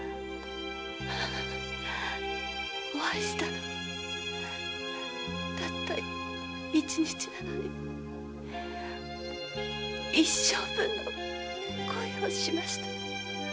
お会いしたのはたった一日なのに一生ぶんの恋をしました。